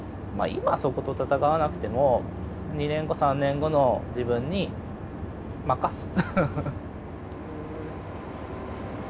今そこと戦わなくても２年後３年後の自分に任す。